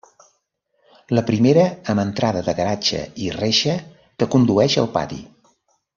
La primera amb entrada de garatge i reixa que condueix al pati.